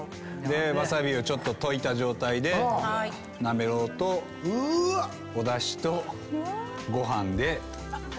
ワサビをちょっと溶いた状態でなめろうとお出汁とご飯で。